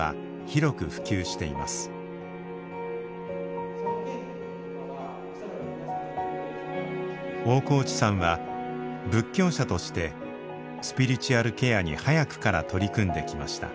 大河内さんは仏教者としてスピリチュアルケアに早くから取り組んできました。